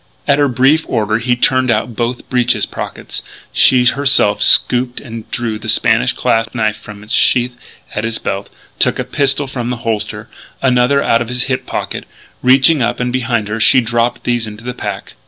At her brief order he turned out both breeches pockets. She herself stooped and drew the Spanish clasp knife from its sheath at his belt, took a pistol from the holster, another out of his hip pocket. Reaching up and behind her, she dropped these into the pack.